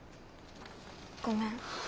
ごめん。